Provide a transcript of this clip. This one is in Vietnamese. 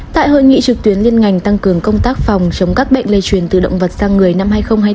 tại hội nghị trực tuyến liên ngành tăng cường công tác phòng chống các bệnh lây truyền từ động vật sang người năm hai nghìn hai mươi bốn